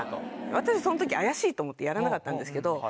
私その時怪しいと思ってやらなかったんですけど。